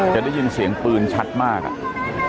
จะได้ยินเสียงปืนชัดมากอ่ะ